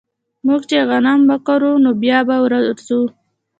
موږ چې غنم وکرو نو بيا به ورځو